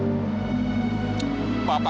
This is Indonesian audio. bapak gak bisa ter surprise bapak